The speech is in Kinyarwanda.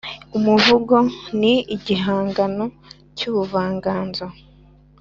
umuvugo ni igihangano cy’ubuvanganzo